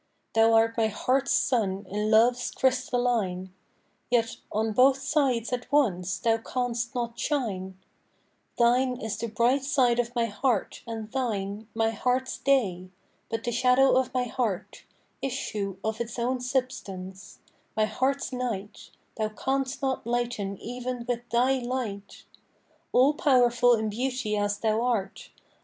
Thou art my heart's sun in love's crystalline: Yet on both sides at once thou canst not shine: Thine is the bright side of my heart, and thine My heart's day, but the shadow of my heart, Issue of its own substance, my heart's night Thou canst not lighten even with thy light, All powerful in beauty as thou art.